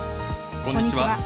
こんにちは。